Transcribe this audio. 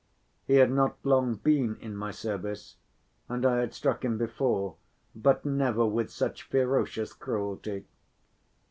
He had not long been in my service and I had struck him before, but never with such ferocious cruelty.